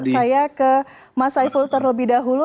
saya ke mas saiful terlebih dahulu